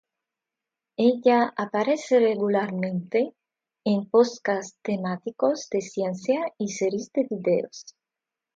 Ella aparece regularmente en podcasts temáticos de ciencia y series de videos.